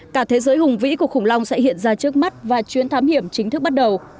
cả thế giới hùng vĩ của khủng long sẽ hiện ra trước mắt và chuyến thám hiểm chính thức bắt đầu